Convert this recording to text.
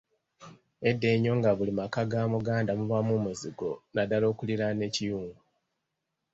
Edda ennyo nga buli maka ga Muganda mubaamu omuzigo naddala okuliraana ekiyungu.